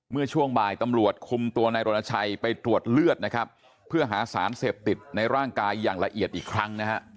เมื่อช่วงบ่ายตำรวจคุมตัวนายรณชัยไปตรวจเลือดนะครับเพื่อหาสารเสพติดในร่างกายอย่างละเอียดอีกครั้งนะฮะ